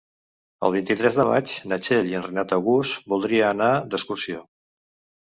El vint-i-tres de maig na Txell i en Renat August voldria anar d'excursió.